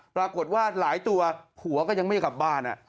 ปรากฏว่าหลายตัวผัวก็ยังไม่กลับบ้าน